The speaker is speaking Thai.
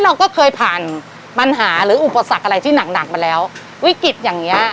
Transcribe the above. เราก็เคยผ่านปัญหาหรืออุปสรรคอะไรที่หนักหนักมาแล้ววิกฤตอย่างเงี้